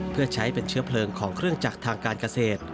เพื่อใช้เป็นเชื้อเพลิงของเครื่องจักรทางการเกษตร